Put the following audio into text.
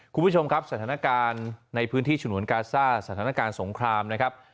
คุณผู้ชมครับสถานการณ์ในพื้นที่ฉนวนกาซ่าสถานการณ์สงครามนะครับ